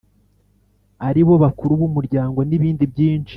ari bo bakuru b’umuryango n’ibindi byinshi.